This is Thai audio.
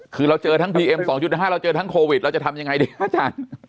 คือเราเจอทั้งพีเอ็ม๒๕เราเจอทั้งโควิดเราจะทำยังไงดีอาจารย์